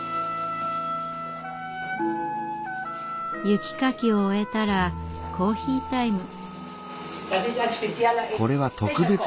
雪かきを終えたらコーヒータイム。